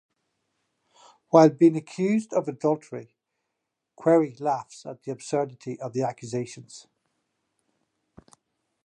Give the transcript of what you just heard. While being accused of adultery, Querry laughs at the absurdity of the accusations.